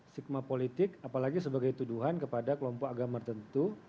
stigma politik apalagi sebagai tuduhan kepada kelompok agama tertentu